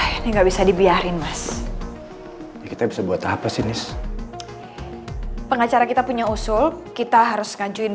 ini nggak bisa dibiarin mas kita bisa buat apa sih pengacara kita punya usul kita harus nganjukin